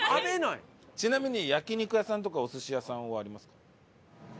ちなみに焼肉屋さんとかお寿司屋さんはありますか？